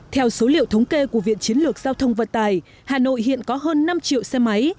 theo số liệu thống kê của viện chiến lược giao thông vận tài hà nội hiện có hơn năm triệu xe máy